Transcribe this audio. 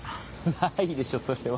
ないでしょそれは。